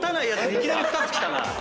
いきなり２つきたな。